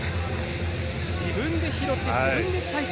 自分で拾って自分でスパイク。